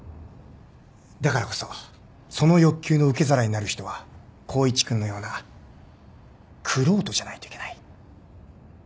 だからこそその欲求の受け皿になる人は光一君のような玄人じゃないといけない。